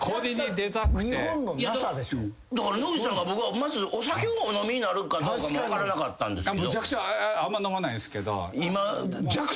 だから野口さんが僕はまずお酒をお飲みになるかどうかも分からなかったんですけど。